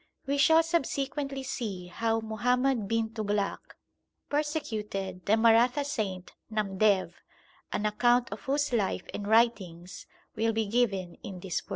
We shall subsequently see how Muhammad bin Tughlak persecuted the Maratha saint Namdev, an account of whose life and writings will be given in this work.